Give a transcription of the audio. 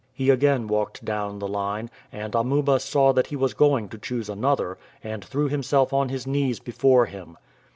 He again walked down the line, and Amuba saw that he was going to choose another, and threw himself on his knees before him.